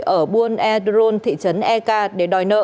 ở buôn e drôn thị trấn ek để đòi nợ